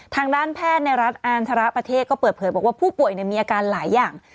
ทางด้านแพทย์ในรัฐอานทรประเทศก็เปิดเผยบอกว่าผู้ป่วยมีอาการหลายอย่าง